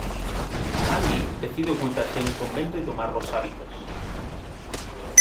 Candy decide ocultarse en un convento y tomar los hábitos.